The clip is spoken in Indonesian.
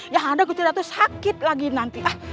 yang ada kuciratu sakit lagi nanti